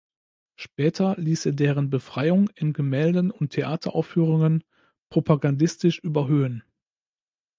Später ließ er deren "Befreiung" in Gemälden und einer Theateraufführung propagandistisch überhöhen.